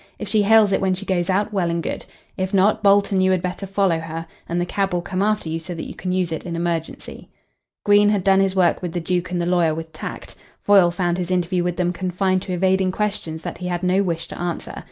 If she hails it when she goes out, well and good. If not, Bolt and you had better follow her, and the cab will come after you so that you can use it in emergency." Green had done his work with the Duke and the lawyer with tact. Foyle found his interview with them confined to evading questions that he had no wish to answer.